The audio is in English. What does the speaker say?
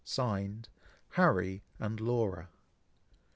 (Signed) Harry and Laura.